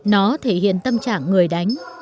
nó thể hiện tâm trạng người đánh